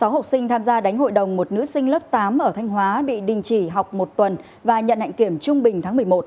sáu học sinh tham gia đánh hội đồng một nữ sinh lớp tám ở thanh hóa bị đình chỉ học một tuần và nhận hạnh kiểm trung bình tháng một mươi một